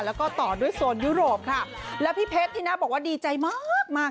แล้วก็ต่อด้วยโซนยุโรปค่ะแล้วพี่เพชรพี่นะบอกว่าดีใจมากมาก